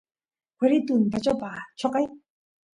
cueritu empachopa choqay